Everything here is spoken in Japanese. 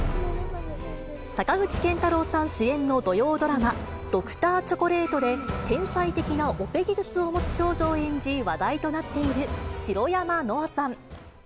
坂口健太郎さん主演の土曜ドラマ、Ｄｒ．チョコレートで、天才的なオペ技術を持つ少女を演じ、話題となっている白山乃愛さん。